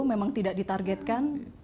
memang tidak ditargetkan